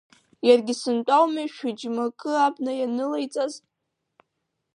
Иаргьы сынтәа ауми шәы-џьмакы абна ианылаиҵаз.